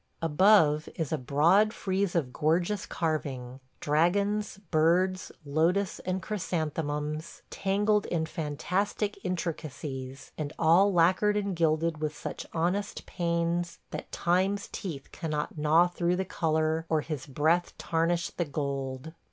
... Above is a broad frieze of gorgeous carving – dragons, birds, lotus, and chrysanthemums tangled in fantastic intricacies, and all lacquered and gilded with such honest pains that Time's teeth cannot gnaw through the color or his breath tarnish the gold.